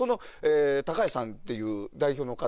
橋さんっていう代表の方。